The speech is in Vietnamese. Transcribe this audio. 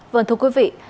vâng thưa quý vị